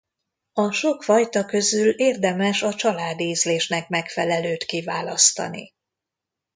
A sok fajta közül érdemes a családi ízlésnek megfelelőt kiválasztani.